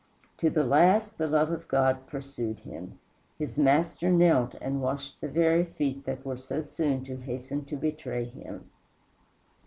To the last the love of God pursued him: his Master knelt and washed the very feet that were so soon to hasten to betray him.